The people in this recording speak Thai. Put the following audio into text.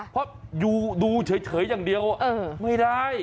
เพราะดูเฉยอย่างเดียวไม่ได้